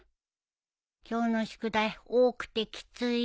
今日の宿題多くてきついよ。